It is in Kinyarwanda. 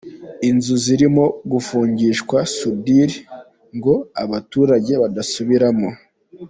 Inzu zirimo gufungishwa sudire ngo abaturage badasubiramo.